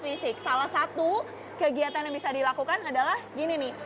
fisik salah satu kegiatan yang bisa dilakukan adalah gini nih